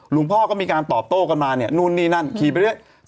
หลวงพ่อก็มีการตอบโต้กันมาเนี่ยนู่นนี่นั่นขี่ไปเรื่อย